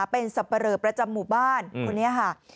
เป็นสับปะเลอประจำหมู่บ้านคนนี้ค่ะ